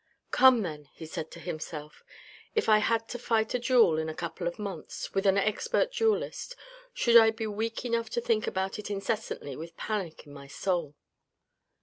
"Come then," he said to himself; " if I had to fight a duel in a couple of months, with an expert duellist, should I be weak enough to think about it incessantly with panic in my soul